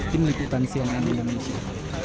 tim liputan siang andi indonesia